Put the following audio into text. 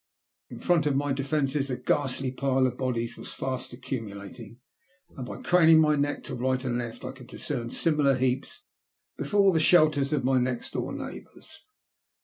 In front of my defences a ghastly pile of bodies was fast accumulating, and by craning my neck to right and left, I could discern similar heaps before the shelters of my neit door neighbours.